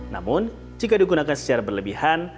namun jika digunakan secara berlebihan